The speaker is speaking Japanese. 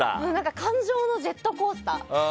感情のジェットコースター。